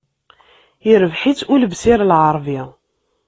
Irbeḥ-itt Ulebsir Lɛarbi.